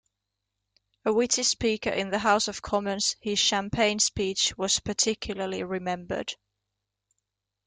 A witty speaker in the House of Commons, his "champagne speech" was particularly remembered.